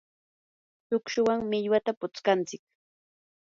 shukshuwan millwata putskantsik.